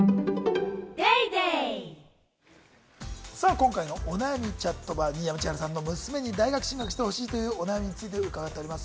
今回のお悩みチャットバ、新山千春さんの娘に大学進学してほしいというお悩みについて伺っています。